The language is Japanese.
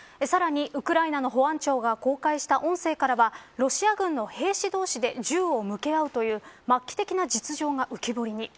さらにウクライナの保安庁が公開した音声からはロシア軍の兵士同士で銃を向け合うという末期的な実情が浮き彫りに。